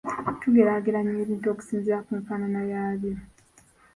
Tugeraageranya ebintu okusinziira ku nfaanana yaabyo.